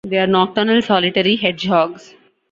They are nocturnal solitary hedgehogs.